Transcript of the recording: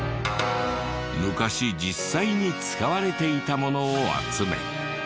昔実際に使われていたものを集め